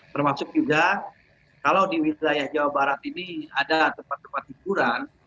termasuk juga kalau di wilayah jawa barat ini ada tempat tempat hiburan